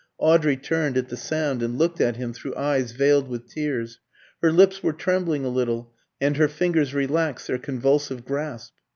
Audrey turned at the sound, and looked at him through eyes veiled with tears; her lips were trembling a little, and her fingers relaxed their convulsive grasp.